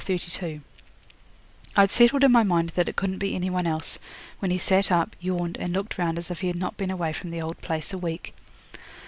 Chapter 32 I'd settled in my mind that it couldn't be any one else, when he sat up, yawned, and looked round as if he had not been away from the old place a week.